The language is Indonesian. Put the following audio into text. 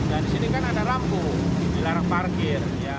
nah di sini kan ada rambu dilarang parkir